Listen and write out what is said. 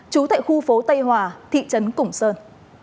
trú tại khu phố tây hòa thị trấn củng sơn